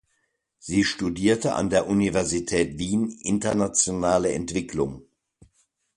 Sie studierte an der Universität Wien Internationale Entwicklung.